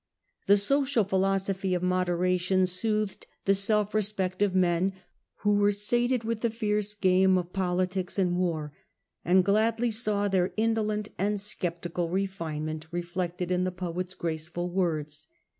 The social philosophy of moderation soothed the self respect of men who were sated with the fierce game of politics and war, and gladly saw their indolent and sceptical refinement reflected in the poet^s graceful words.